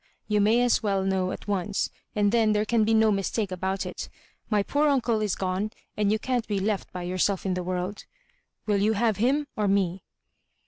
You may as well know at once, and then there can be no mistake about it. Mr poor undo is gone, and you can't be left by yourself in the world. Will you have him or me?"